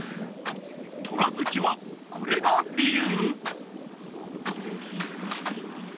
虎好きはこれが理由。